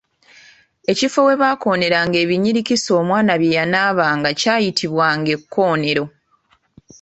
Ekifo we baakoneranga ebinyirikisi omwana bye yanaabanga kyayitibwanga Ekkonero.